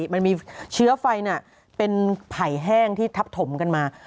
มันมีเชื้อไฟเป็นไผ่แห้งที่ทับถมกันมา